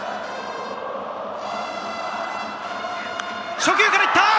初球から行った！